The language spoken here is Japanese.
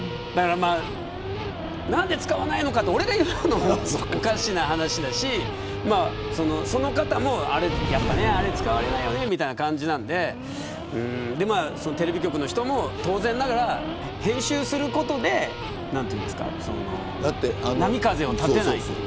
何で使わないのかって俺が言うのもおかしな話だしその方も、やっぱり、あれ使われないよねみたいな感じでテレビ局の人も当然ながら編集することで波風を立てないという。